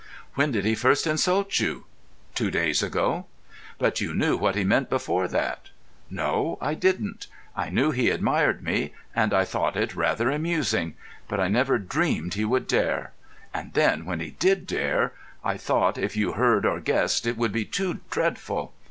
"When did he first insult you?" "Two days ago." "But you knew what he meant before that?" "No, I didn't. I knew he admired me—and I thought it rather amusing; but I never dreamed he would dare. And then, when he did dare, I thought if you heard or guessed it would be too dreadful.